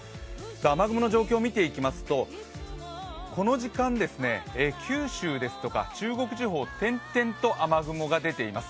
雨雲の状況見ていきますとこの時間、九州ですとか中国地方、点々と雨雲が出ています。